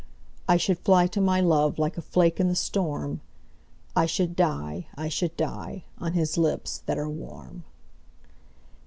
I should fly to my love Like a flake in the storm, I should die, I should die, On his lips that are warm.